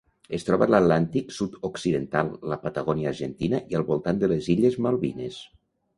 Es troba a l'Atlàntic sud-occidental: la Patagònia argentina i al voltant de les illes Malvines.